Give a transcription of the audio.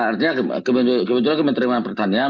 artinya kebetulan kementerian pertanian